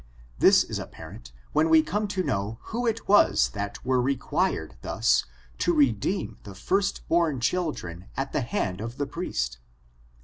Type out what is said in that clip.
This is apparent when we come to know who it was that were required thus to redeem the first bom children at the hand of the priest.